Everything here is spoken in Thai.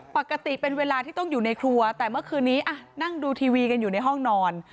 ปกติเป็นเวลาที่ต้องอยู่ในครัวแต่เมื่อคืนนี้นั่งดูทีวีกันอยู่ในห้องนอน